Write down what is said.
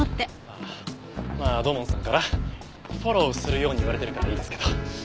まあ土門さんからフォローするように言われてるからいいですけど。